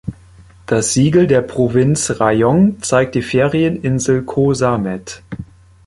Das Siegel der Provinz Rayong zeigt die Ferieninsel Ko Samet.